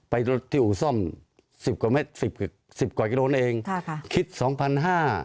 ไปรถที่อุซ่อม๑๐กว่ากิโลนเองคิด๒๕๐๐บาท